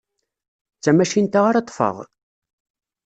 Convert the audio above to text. D tamacint-a ara ṭṭfeɣ?